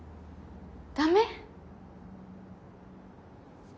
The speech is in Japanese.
ダメ？